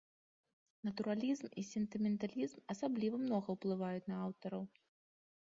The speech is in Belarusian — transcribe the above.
Натуралізм і сентыменталізм асабліва многа ўплываюць на аўтараў.